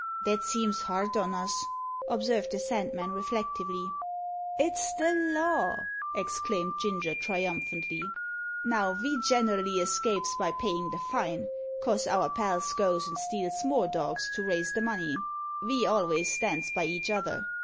"That seems hard on us," observed the Sandman reflectively. "It's the law!" exclaimed Ginger triumphantly. "Now, ve generally escapes by payin' the fine, 'cos our pals goes and steals more dogs to raise the money. Ve alvays stands by each other.